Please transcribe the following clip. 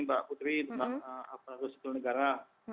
mbak putri tentang aparatur sipil negara